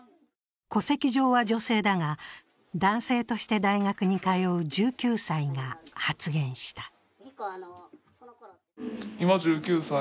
戸籍上は女性だが、男性として大学に通う１９歳が発言した。